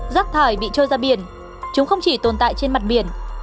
rác thải bị trôi ra biển chúng không chỉ tồn tại trên mặt biển